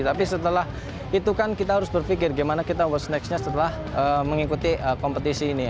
tapi setelah itu kan kita harus berpikir gimana kita ⁇ whats ⁇ next nya setelah mengikuti kompetisi ini